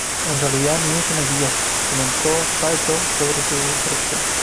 En realidad ni uso maquillaje", comentó Paltrow sobre su selección.